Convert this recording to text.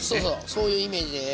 そういうイメージです。